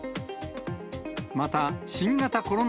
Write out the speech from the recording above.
また新型コロナ